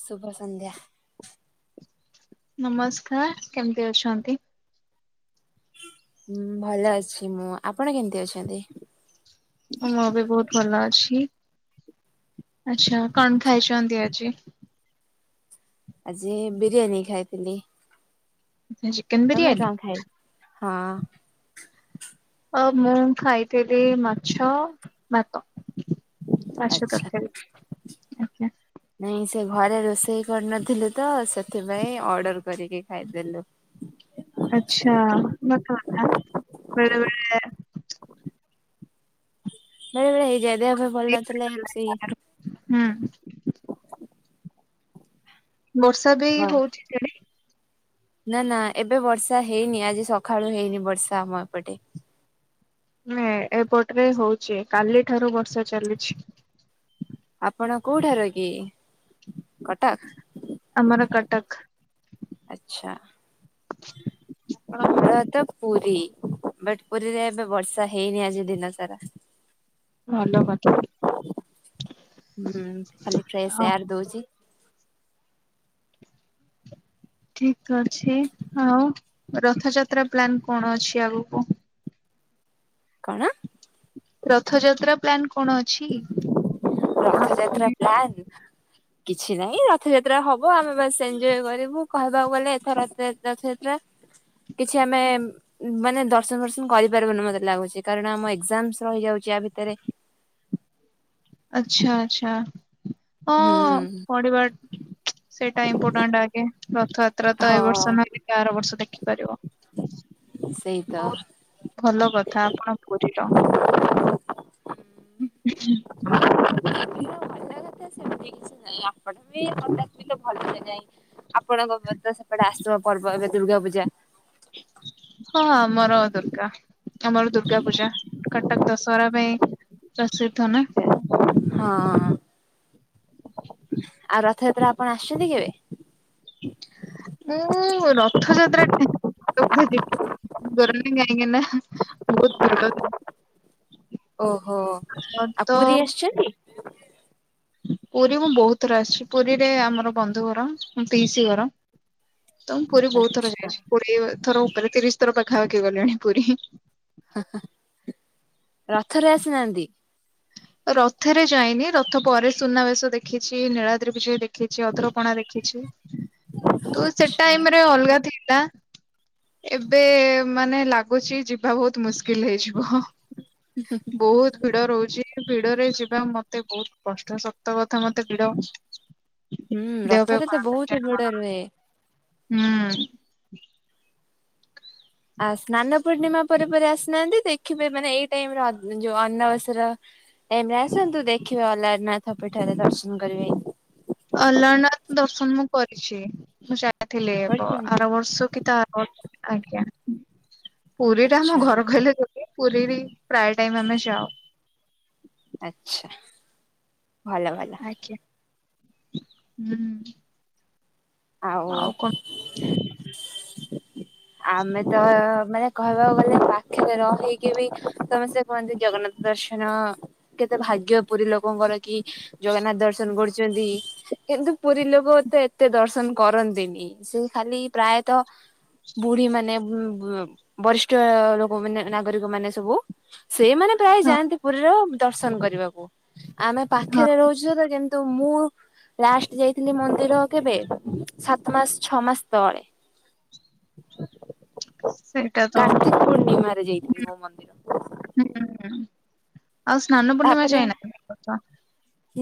ସୁଭସନ୍ଧ୍ୟା। ନମସ୍କାର କେମିତି ଅଛନ୍ତି? ହୁଁ ଭଲ ଅଛି ମୁଁ। ଆପଣ କେମିତି ଅଛନ୍ତି? ମୁଁ ବି ବହୁତ ଭଲ ଅଛି। ଆଛା କଣ ଖାଇଛନ୍ତି ଆଜି? ଆଜି ବିରିୟାନୀ ଖାଇଥିଲି। [unintelligible] ତମେ କଣ ଖାଇ ହଁ ଅ ମୁଁ ଖାଇଥିଲି ମାଛ ଭାତ। ମାଛ ଆଚ୍ଛା। ତରକାରୀ ଆଜ୍ଞା ନାଇଁ ସେ ଘରେ ରୋଷେଇ କରିନଥିଲୁ ତ ସେଥିପାଇଁ ଅର୍ଡର କରିକି ଖାଇଦେଲୁ। ଆଚ୍ଛା ସତ କଥା ବେଳେବେଳେ ବେଳେବେଳେ ହେଇଯାଏ ଦେହଫେହ ଭଲ ବେଳେ ନଥିଲେ ରୋଷେଇ ହୁଁ। ବର୍ଷା ବି ବ ହଉଛି। ସିଆଡେ? ନା ନା ଏବେ ବର୍ଷା ହେଇନି ଆଜି ସକାଳୁ ହେଇନି ବର୍ଷା ଆମ ଏପଟେ। ମେ ଏପଟରେ ହଉଚି କାଲି ଠାରୁ ବର୍ଷା ଚାଲିଛି। ଆପଣ କୋଉଠାରୁ କି କଟକ। ଆମର କଟକ। ଆଛା ଆପଣଙ୍କର [unintelligible] ପୁରୀ ବଟ ପୁରୀରେ ଏବେ ବର୍ଷା ହେଇନି ଆଜି ଦିନ ସାରା। ଭଲ [inaudible] କଥା ହୁଁ ଖାଲି ଫ୍ରେଶ ଏୟାର ହଁ ଦଉଛି। ଠିକ ତ ଅଛି ଆଉ ରଥଯାତ୍ରା ପ୍ଲାନ କଣ ଅଛି ଆଗକୁ? କଣ? ରଥଯାତ୍ରା ପ୍ଲାନ କଣ ଅଛି କି? [inaudible] ରଥଯାତ୍ରା ପ୍ଲାନ କିଛି ନାହିଁ ରଥଯାତ୍ରା ହବ ଆମେ ବାସ ଏନଜୟ କରିବୁ କହିବାକୁ ଗଲେ ଏଥରଥ ରଥଯାତ୍ରା କିଛି ଆମେ ମାନେ ଦର୍ଶନ ଫର୍ଶନ କରିପାରିବନୁ ମତେ ଲାଗୁଛି କାରଣ ଆମ ଏକ୍ଜାମସ ରହିଯାଉଛି ୟା ଭିତରେ। ଆଛା ଆଛା ହ ହୁଁ ପଡିବାର ସେଇଟା ଇମ୍ପୋର୍ଟାଣ୍ଟ ଆଗେ ରଥଯାତ୍ରା ତ ଏ ବର୍ଷ ହଁ ନହଲେ ଆର ବର୍ଷ ଦେଖିପାରିବ ସେଇ ତ ବହୁତ ଭଲ କଥା ଆପଣ ପୁରୀର [unintelligible] [inaudible] ଏଟା ସେମିତି କିଛି ନାହିଁ ଆପଣ ବି [unintelligible] ଆପଣଙ୍କ ପଟେ ସେପଟେ ଆସୁଥିବ ପର୍ବ ଏବେ ଦୁର୍ଗା ପୂଜା। ହଁ ଆମର ଦୁର୍ଗା ଆମର ଦୁର୍ଗା ପୂଜା କଟକ ଦଶହରା ପାଇଁ ପ୍ରସିଦ୍ଧ ନା। ହଁ ଆଉ ରଥଯାତ୍ରା ଆପଣ ଆସିଛନ୍ତି କେବେ? ମୁଁ ରଥଯାତ୍ରା [unintelligible] ଯାଇନି କାହିଁକି ନା ବହୁତ ଭିଡ଼ଥାଏ। ଓହୋ, ଆଉ ତ ପୁରୀ ଆସିଚନ୍ତି? ପୁରୀ ମୁଁ ବହୁତ ଥରେ ଆସିଛି, ପୁରୀରେ ଆମର ବନ୍ଧୁ ଘର, ମୋ ପିଇସି ଘର ତ ମୁଁ ପୁରୀ ବହୁତ ଥର ଆଚ୍ଛା ଯାଇଚି, କୋଡିଏ ଥର ଉପରେ, ତିରିଶ ଥର ପାଖାପାଖି ଗଲିଣି ପୁରୀ। ହାଁ ହାଁ, ରଥରେ ଆସିନାହାନ୍ତି? ରଥରେ ଯାଇନି, ରଥ ପରେ ସୁନାବେଶ ଦେଖିଛି, ନୀଳାଦ୍ରି ବିଜେ ଦେଖ ଦେଖିଚି ଅଦ୍ରପଣା ଦେଖିଚି, କିନ୍ତୁ ସେ ଆଚ୍ଛା ଟାଇମରେ ଅଲଗା ଥିଲା। ଏବେ ମାନେ ଲାଗୁଚି, ଯିବା ବହୁତ ମୁସ୍କିଲ ମୁସ୍କିଲି ହେଇଯିବ, ବହୁତ୍ ଭିଡ ରହୁଚି। ଭିଡରେ ଯିବା ମତେ ବହୁତ କଷ୍ଟ, ସତ କଥା ମତେ ଭିଡ ହୁଁ, ଦେହ ଫେହ ରଥରେ ତ ଖରାପ ବହୁତ ହି ହେଇଯାଏ। ଭିଡ ରୁହେ। ହୁଁ। ଆଉ ସ୍ନାନ ପୂର୍ଣ୍ଣିମା ପରେ ପରେ ଆସିନାହାନ୍ତି, ଦେଖିବେ ମାନେ ଏଇ ଟାଇମ ର ଅଧ ଯୋଉ ଅନ୍ନାବସର ଟାଇମ ରେ ଆସନ୍ତୁ, ଦେଖିବେ ଅଲାରନାଥ ପୀଠରେ ଦର୍ଶନ କରିବେ। ଅଲାରନାଥ ଦର୍ଶନ ମୁଁ କରିଚି, ମୁଁ ଯାଇଥିଲି କି ତା କରିଛନ୍ତି ଆର ବର୍ଷ, କି ତା ଆଜ୍ଞା, ପୁରୀ ରେ ଆମ ଆଚ୍ଛା ଘର କହିଲେ ଗୋ ପୁରୀ ବି, ପ୍ରାୟ ଟାଇମ୍ ଆମେ ଯାଉ। ଆଛା, ଭଲ ଭଲ। ଆାଜ୍ଞା ହୁଁ ଆଉ ଆମେ ତ, ମାନେ କହିବାକୁ ଗଲେ ପାଖରେ ରହିକି ବି, ତମେ ସେ କୁହନ୍ତି ଜଗନ୍ନାଥ ଦର୍ଶନ, କେତେ ଭାଗ୍ୟ ପୁରୀ ଲୋକଙ୍କର କି ଜଗନ୍ନାଥ ଦର୍ଶନ କରୁଚନ୍ତି କିନ୍ତୁ ପୁରୀ ଲୋକ ଏତେ ଏତେ ଦର୍ଶନ ଦର୍ଶନ କରନ୍ତିନି, ସେ ଖାଲି ପ୍ରାୟତଃ ବୁଢୀ ମାନେ, ବ -ବ-ବରିଷ୍ଠ ଲୋକ ମାନେ ନାଗରିକ ମାନେ ସବୁ ସେଇ ମାନେ ପ୍ରାୟ ହଁ ଯାଆନ୍ତି ପୁରୀର ଦର୍ଶନ କରିବାକୁ। ଆମେ ହଁ। ପାଖରେ ରହୁଚୁ ସତ କିନ୍ତୁ ମୁଁ ଲାଷ୍ଟ ଯାଇଥିଲି ମନ୍ଦିର କେବେ ସାତ ମାସ ଛଅ ମାସ ତଳେ। ସେଇଟା ତ ରାକ୍ଷି ପୂର୍ଣ୍ଣିମାରେ ଯାଇଥିଲି ମୁଁ ମନ୍ଦିର। ହୁଁ, ଆଉ ସ୍ନାନ ପୂର୍ଣ୍ଣିମାରେ ତାପରେ ଯାଇନ [unintelligible]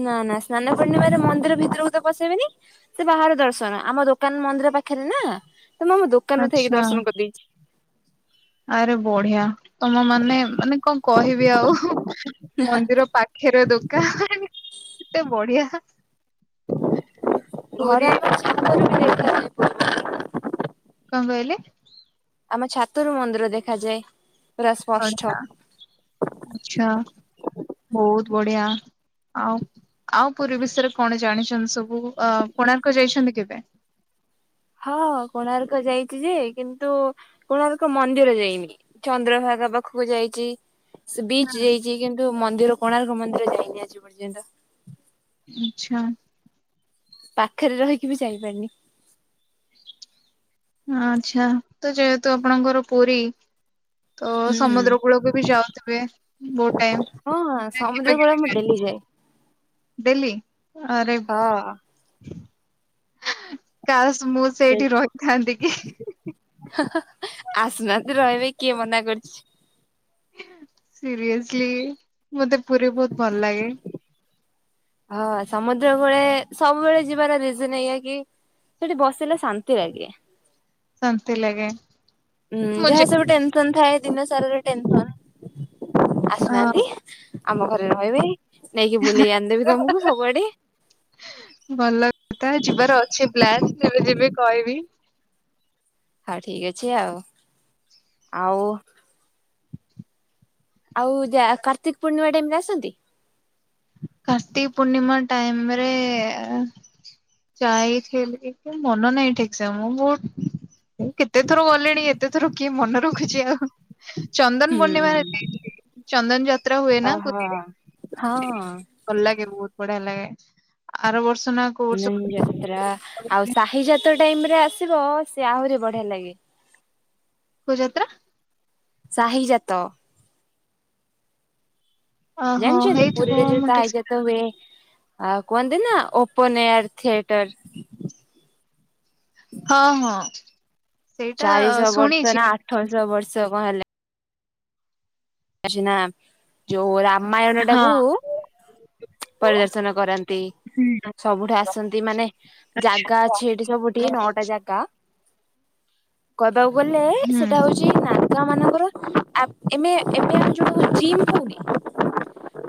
ନା ନା, ସ୍ନାନ ପୂର୍ଣ୍ଣିମାରେ ମନ୍ଦିର ଭିତରକୁ ତ ପସେଇବେନି। ସେ ବାହାରେ ଦର୍ଶନ, ଆମ ଦୋକାନ ମନ୍ଦିର ପାଖରେ ନା, ତ ମୁଁ ଆମ ଦୋକାନରୁ ଥାଇକି ଆଚ୍ଛା ଦର୍ଶନ କରିଦେଇଚି। ଆରେ ବଢିଆ, ତମ ମାନେ, ମାନେ କଣ କହିବି ଆଉ, ମନ୍ଦିର ପାଖ ଖିରେ ଦୋକାନ। କେତେ ବଢିଆ। ପୁରୀ ଘର [unintelligible] କଣ କହିଲେ? ଆମ ଛାତରୁ ମନ୍ଦିର ଦେଖାଯାଏ। ପୁରା ସ୍ପଷ୍ଟ ବଢିଆ। ଆଛା, ବହୁତ ବଢିଆ, ଆଉ ଆଉ ପୁରୀ ବିଷୟରେ କଣ ଜାଣିଛନ୍ତି ସବୁ? ଅ କୋଣାର୍କ ଯାଇଛନ୍ତି କେବେ? ହଁ, କୋଣାର୍କ ଯାଇଚି ଯେ, କିନ୍ତୁ କୋଣାର୍କ ମନ୍ଦିର ଯାଇନି। ଚନ୍ଦ୍ରଭାଗା ପାଖକୁ ଯାଇଚି। ସେ ବିଚ ଯାଇଚି କିନ୍ତୁ ମନ୍ଦିର କୋଣାର୍କ ମନ୍ଦିର ଯାଇନି ଆଜି ପର୍ଯ୍ୟନ୍ତ। ଆଛା। ପାଖରେ ରହିକି ବି ଯାଇପାରିନି। ଆଛା, ତ ଯେହେତୁ ଆପଣଙ୍କର ପୁରୀ ଅ ହୁଁ। ସମୁଦ୍ର କୂଳକୁ ବି ଯାଉଥିବେ ବହୁତ ଟାଇମ। ନା କେବେ କେବେ ଯାଆ ବୁଲି ଯାଏ। ଡେଲି ଆରେ ହଁ କାଶ୍ ମୁଁ ସେଇଠି ରହିଥାନ୍ତି କି? ଆସୁନାହାନ୍ତି ରହିବେ କିଏ ମନା କରୁଚି। ସିରିଏସଲି ମତେ ପୁରୀ ବହୁତ ଭଲ ଲାଗେ। ହଁ ସମୁଦ୍ର କୂଳେ ସବୁବେଳେ ଯିବାର ରିଜନ ଏଇଆ କି ସେଠି ବସିଲେ ଶାନ୍ତି ଲାଗେ। ଶାନ୍ତି ଲଗେ। ହୁଁ ଯାହା ସବୁ ଟେନସନ ଥାଏ ଦିନ ସାରାର ଟେନସନ। ହଁ ଆସୁନାହାନ୍ତି। ଆମ ଘରେ ରହିବେ। ନେଇକି ବୁଲେଇ ଆଣିଦେବି ତମକୁ ସବୁଆଡେ। ଭଲଥା ଯିବାର ଅଛି ପ୍ଲାନ୍ ଯେବେ ଯିବି କହିବି। ଆ ଠିକ ଅଛି ଆଉ। ଆଉ ଆଉ ଯା କାର୍ତ୍ତିକ ପୂର୍ଣ୍ଣିମା ଟାଇମ ରେ ଆସନ୍ତି? କାର୍ତ୍ତିକ ପୂର୍ଣ୍ଣିମା ଟାଇମରେ ଯାଇଥିଲି କି ମନ ନାହିଁ ଠିକ ସେ ମୁଁ ବହୁତ୍ ମୁଁ କେତେ ଥର ଗଲେଣି। ଏତେ ଥର କିଏ ମନ ରଖ୍ ରଖୁଚି ଆଉ। ଚନ୍ଦନ ପୂର୍ଣ୍ଣିମା ରେ ହୁଁ। ଯାଇଥିଲି। ଚନ୍ଦନ ଯାତ୍ରା ହୁଏ ନା ଓହୋ ପୁରୀରେ। ହଁ। ଭଲ ଲାଗେ ବହୁତ ବଢିଆ ଲାଗେ। ଆର ବର୍ଷ ନା କୋଉ ବର୍ଷ [inaudible] ଗୋଟେ ଯାତ୍ରା ଆଉ ସାହି ଯାତ୍ରା ଟାଇମ ରେ ଆସିବ ସେ ଆହୁରି ବଢିଆ ଲାଗେ। କୁ ଯାତ୍ରା? ସାହି ଜାତ। ଓହୋ ଜାଣିଚନ୍ତି ହେଇଥିବ ପୁରୀରେ ଯଉ ମୁଁ ଠିକ ସାହି ସେ ଯାତ ଅ ହୁଏ ଆ କୁହନ୍ତି ନା ଓପନ ଏୟାର ଥିଏଟର। ହଁ ହଁ। ସେଇଟା ଚାରିଶହ ବର୍ଷ ଶୁଣିଛି। ନା ଆଠଶହ ବର୍ଷ କଣ ହେଲେ ଅଛି ନା ଯୋଉ ରାମାୟଣ ହଁ। ଟାକୁୁ ପରିଦର୍ଶନ କରନ୍ତି। ହୁଁ ସବୁଠି ଆସନ୍ତି। ମାନେ ଆଚ୍ଛା ଜାଗା ହୁଁ। ଅଛି ଏଠି ସବୁଠି ନଅଟା ଜାଗା କଦବାକୁ ଗଲେ ସେଟା ହଉଚି ନାଗା ମାନଙ୍କର ଆ ଏମ ଏ ଏବେ ଆମେ ଯୋଉଟା କୁ ଜିମ୍ କହୁନି,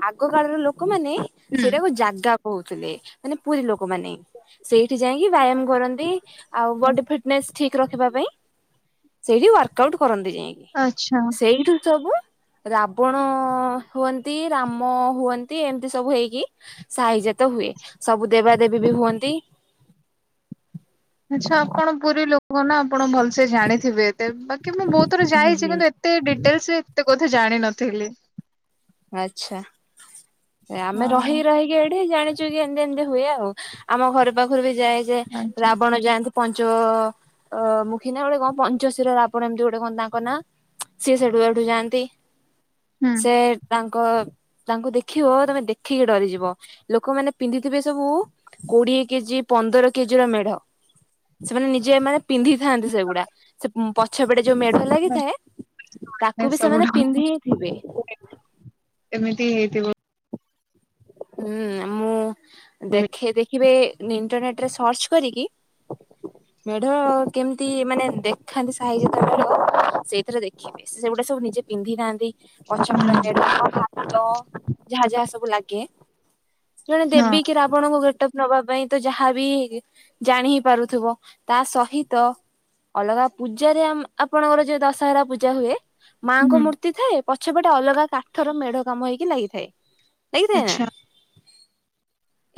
ଆଗ କାଳର ଲୋକମାନେ ହୁଁ ସେଇଟାକୁ ଜାଗା କହୁଥିଲେ। ମାନେ ପୁରୀ ଲୋକମାନୋନ ସେଇଠି ଯାଇକି ବ୍ୟାୟାମ କରନ୍ତି। ଆଉ ବଡି ଫିଟନେସ ଠିକ ରଖିବା ପାଇଁ ସେଇଠି ୱାର୍କ ଆଉଟ କରନ୍ତି ଯାଇକି। ଆଚ୍ଛା ସେଇଠୁ ସବୁ ରାବଣ ହୁଅନ୍ତି ରାମ ହୁଅନ୍ତି ଏମିତି ସବୁ ହେଇକି ସାହି ଜାତ ତ ହୁଏ। ସବୁ ଦେବା ଦେବୀ ବି ହୁଅନ୍ତି। ଆଛା ଆପଣ ପୁରୀ ଲୋକ ନା ଆପଣ ଭଲସେ ଜାଣିଥିବେ ଏତେ। ବାକି ମୁଁ ବହୁତ ଥର ହୁଁ ଯାଇଚି ହୁଁ କିନ୍ତୁ ତେ ଡିଟେଲସରେ ଏତେ କଥା ଜାଣିିନଥିଲି। ଆଛା ଆମେ ରହି ହଁ ରହିକି ଏଠି ଜାଣିଚୁ ଯେ ଏମିତି ଏମିତି ହୁଏ ଆଉ। ଆମ ଘର ପାଖରୁ ବି ଯାଏ ଯେ ଆଚ୍ଛା ରାବଣ ଯାଆନ୍ତି ପଞ୍ଚ ଅ ମୁଖୀ ନା ଗୋଟେ କଣ ପଞ୍ଚଶିର ରାବଣ ଏମତି ଗୋଟେ କଣ ତାଙ୍କ ନା। ସିଏ ସେଠୁ ଏଠୁ ଯାଆନ୍ତି। ସେ ତାଙ୍କ ତାଙ୍କୁ ଦେଖିବ ତମେ ଦେଖିକି ଡରିଯିବ। ଲୋକମାନେେ ପିନ୍ଧିଥିବେ ସବୁ କୋଡିଏ କେଜି ପନ୍ଦର କେଜି ର ମେଢ। ସେମାନେ ନିଜେ ମାନେ ପିନ୍ଧିଥାନ୍ତି ସେଗୁଡା ସେ ପଛ ପେଟେ ଯୋଉ ମେଢ ହେ ହୁଁ। ଲାଗିଥାଏ ଏ ତାକୁ ବି ସବୁ ସେମାନେ ଢ- ପିନ୍ଧି ହି ଥିବେ। ଏମିତି ହେଇ ହୁଁ ମୁଁ ଦେଖେ ଦେଖିବେ ଇଣ୍ଟରନେଟ ସର୍ଚ୍ଚ କରିକି ମେଢ କେମିତି ମାନେ ଦେଖାନ୍ତି ସାହିରେ ତମର ସେଇଥିରେ ସେଗୁଡା ସବୁ ନିଜେ ପିନ୍ଧି ନାହାନ୍ତି। ହୁଁ ପଛରେଢ ଭାତ ଯାହା ଯାହା ସବୁ ଲାଗେ [inaudible] ଜଣେ ହଁ ଦେବୀ କି ରାବଣଙ୍କୁ ଭେଟ ନବା ପାଇଁ ତ ଯାହାବି ଜାଣି ହି ପାରୁଥିବ ତା ସହିତ ଅଲଗା ପୂଜାରେ ଆପଣଙ୍କର ଯୋଉ ଦଶହରା ପୂଜା ହୁଏ। ମାଆଙ୍କ ହୁଁ ମୂର୍ତ୍ତି ଥାଏ ପଛେପଟେ ଅଲଗା କାଠର ମେଢ କାମ ହେଇକି ଲାଗିଥାଏ। ଲାଗିଥାଏ ନା? ଆଚ୍ଛା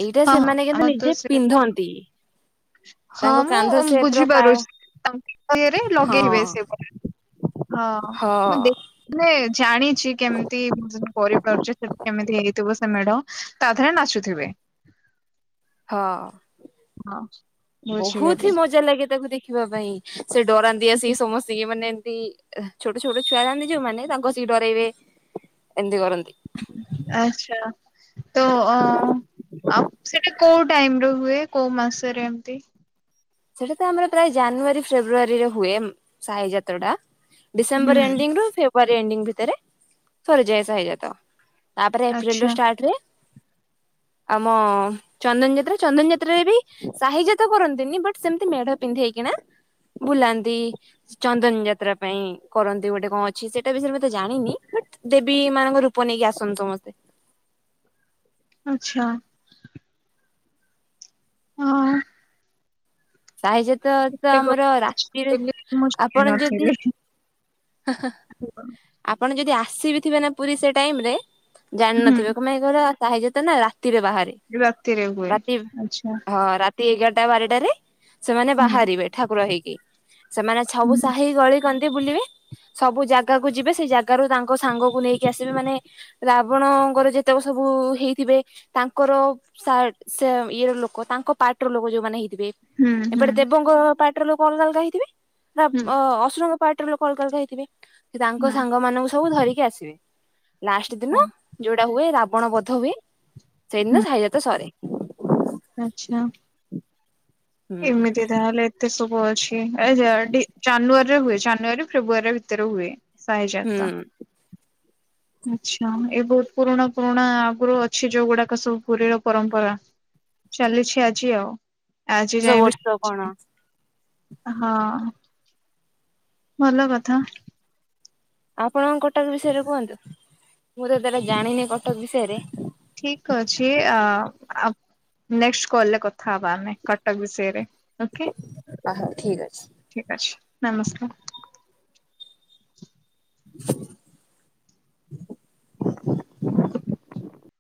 ଏଇଟା ହଁ ହଁ ସେମାନେ କିନ୍ତୁ ଆମର ତ ନିଜେ ସେ ପିନ୍ଧନ୍ତି। ହଁ ତାଙ୍କ ମୁଁ କାନ୍ଧ ସେପ୍ ର କା ବୁଝିପାରୁଛି ତାଙ୍କ [inaudible] ହଁ ହଁ ହଁ ମୁଁ ଦେଖି ମାନେ ଜାଣିଛି କେମିତି ମୁଁ କରିପାରୁଛି ସବୁ କେମିତି ହେଇଥିବ ସେ ମେଢ଼। ତା ଦେହରେ ନାଚୁଥିବେ। ହଁ ହଁ ବହୁତ ହିଁ ବୁଝିଗଲି। ମଜା ଲାଗେ ତାକୁ ଦେଖିବା ପାଇଁ। ସେ ଡରାନ୍ତିି ଆସିକି ସମସ୍ତି ଙ୍କି ମାନେ ଏମତି ଛୋଟ ଛୋଟ ଛୁଆ ଯାଆନ୍ତି ଯୋଉମାନେ ତାଙ୍କୁ ଆସିକି ଡରେଇବେ ଏମିତି କରନ୍ତି। ଆଚ୍ଛା ତ ଅ ଆଉ ସେଟା କୋଉ ଟାଇମ୍ ର ହୁଏ କୋଉ ମାସରେ ଏମତି? ସେଟା ତ ଆମର ପ୍ରାୟ ଜାନୁଆରୀ ଫେବୃୟାରୀ ରେ ହୁଏ ସାହି ଯାତ୍ରା ଟା। ହୁଁ ଡିସେମ୍ବର ଏଣ୍ଡିଙ୍ଗ ରୁ ଫେବୃଆାରୀ ଏଣ୍ଡିଙ୍ଗ ଭିତରେ ସରିଯାଏ ସାଧାରଣତଃ ତାପରେ ଏପ୍ରିଲ ରୁ ଆଚ୍ଛା ଷ୍ଟାର୍ଟ ହୁଏ। ଆମ ଚନ୍ଦନ ଯାତ୍ରା ଚନ୍ଦନ ଯାତ୍ରାରେ ବି ସାହିଜାତ କରନ୍ତି ବଟ୍ ସେମିତି ମେଢ ପିନ୍ଧେଇକିନା ବୁଲାନ୍ତି। ଚନ୍ଦନ ଯାତ୍ରା ପାଇଁ କରନ୍ତି ଗୋଟେ କଣ ଅଛି ସେଇଟା ବିଷୟରେତେ ଜାଣିନି ବଟ୍ ଦେବୀ ମାନଙ୍କ ରୂପ ନେଇକି ଆସନ୍ତି ସମସ୍ତେ। ଆଚ୍ଛା। ହଁ। ସାହିଜାତ ତ ଏତେ ଗରମ ଆମର ଅଛି ରାତିରେ ବୋଲି ମୁଁ ଆପଣ ଯଦି ଜାଣିନଥିଲି। ହଁ ହଁ। ହଁ [inaudible] ଆପଣ ଯଦି ଆସିବି ଥିବେ ନା ପୁରୀ ସେ ଟାଇମ୍ ରେ ଜାଣିନଥିବେ କଣ ପାଇଁ କହିଲ ସାହିଯାତ୍ରା ଟା ନା ରାତିରେ ବାହାରେ। ରାତିରେ ହୁଏ ରାତି ଆଚ୍ଛା। ହଁ ରାତି ଏଗାରଟା ବାରଟାରେ ସେମାନେ ହୁଁ। ବାହାରିବେ ଠାକୁର ହେଇକି‌। ସେମାନେ ସବୁ ହୁଁ ସାହି ଗଳି କନ୍ଦି ବୁଲିବେ ସବୁ ଜାଗାକୁ ଯିବେ ସେଇ ଜାଗାରୁ ତାଙ୍କ ସାଙ୍ଗକୁ ନେଇକି ଆସିବେ ମାନେ ରାବଣ ଙ୍କର ଯେତେକ ସବୁ ହେଇଥିବେ। ତାଙ୍କର ଇଏ ର ଲୋକ ତାଙ୍କ ପାର୍ଟି ର ଲୋକ ଯୋଉମାନେ ହେଇଥି ବେ ହୁଁ ହୁଁ ଏପଟେ ଦେବଙ୍କ ପାଟ୍ ର ଲୋକ ଅଲଗା ଅଲଗା ହେଇଥିବେ ନା ହୁଁ ଅସୁର କ ପାଟ୍ ର ଲୋକ ଅଲଗା ଅଲଗା ହେଥିବେ ସେ ତାଙ୍କ ସାଙ୍ଗ ମାନଙ୍କୁ ସବୁ ଧରିକି ଆସିବେ। ଲାଷ୍ଟ ଦିନ ଯୋଉଟା ହୁଏ ରାବଣ ବଧ ହୁଏ। ସେଇଦିନ ସାଇଜାତ ସରେ। ଆଛା। ହୁଁ। ଏମିତି ତାହାଲେ। ଏତେ ସବୁ ଅଛି। ଏ ଜାର୍ଟି ଜାନୁଆରୀରେ ହୁଏ। ଜାନୁଆରୀରୁ ଫେବୃଆରୀ ଭିତରେ ହୁଏ। ସାହି ହୁଁ ଜାତ। ଆଛା ଏ ବହୁତ ପୁରୁଣା ପୁରୁଣା ଆଗରୁ ଅଛି ଯୋଉ ଗୁଡାକ ସବୁ ପୁରୀର ପରମ୍ପରା। ଚାଲିଛି ଆଜି ଆଉ। ଆଜି ଦଶ ଯାଏବି ବର୍ଷ କଣ ଚାଲିଛି। ହଁ ଭଲ କଥା। ଆପଣଙ୍କ କଟକ ବିଷୟରେ କୁହନ୍ତୁ। ମୁଁ ତ ତେଟା ଜାଣିନି କଟକ ବିଷୟରେ। ଠିକ ଅଛି ଆ ଆପ ନେକ୍ସଟ କଲରେ କଥା ହବା ଆମେ କଟକ ବିଷୟରେ। ଓକେ ଆ ହଉ ଠିକ ଅଛି। ଠିକ୍ ଅଛି ନମସ୍କାର। [unintelligible]